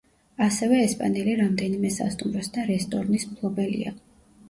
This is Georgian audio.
ასევე ესპანელი რამდენიმე სასტუმროს და რესტორნის მფლობელია.